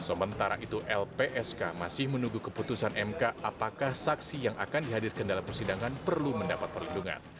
sementara itu lpsk masih menunggu keputusan mk apakah saksi yang akan dihadirkan dalam persidangan perlu mendapat perlindungan